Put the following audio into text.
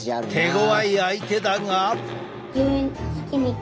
手ごわい相手だが？